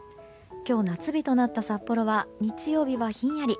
今日、夏日となった札幌は日曜日はひんやり。